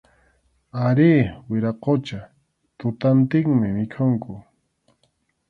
Arí, wiraqucha, tutantinmi mikhunku.